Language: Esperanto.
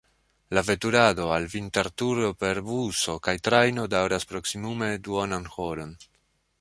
La veturado al Vinterturo per buso kaj trajno daŭras proksimume duonan horon.